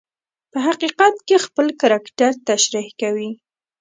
په حقیقت کې خپل کرکټر تشریح کوي.